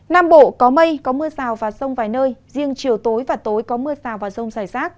nam bộ có mây có mưa rào và rông vài nơi riêng chiều tối và tối có mưa rào và rông rải rác